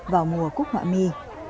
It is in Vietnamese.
vào mùa cúc họa mi